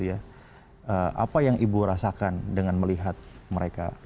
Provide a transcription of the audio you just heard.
apa yang ibu rasakan dengan melihat mereka